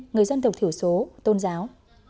người dân tộc thử số tôn giáo